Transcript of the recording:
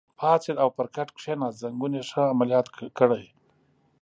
پاڅېد او پر کټ کېناست، زنګون یې ښه عملیات کړی.